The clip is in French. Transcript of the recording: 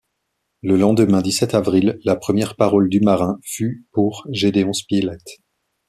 Le lendemain, dix-sept avril, la première parole du marin fut pour Gédéon Spilett.